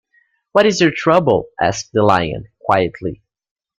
What is your trouble? asked the Lion, quietly.